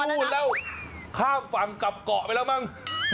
ไปนู้นแล้วข้ามฝั่งกลับเกาะไปแล้วบ้าง